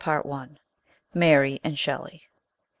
MARY AND SHELLEY.